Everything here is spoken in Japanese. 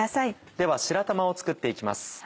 では白玉を作って行きます。